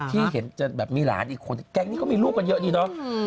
ที่เห็นจะแบบมีหลานอีกคนแก๊งนี้ก็มีลูกกันเยอะดีเนาะ